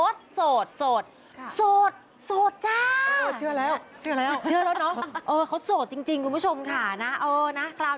ปิดความจิ้นได้ทันทีอย่างว่องวัย